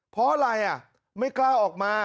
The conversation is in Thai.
เพราะอะไรไม่กล้าออกมา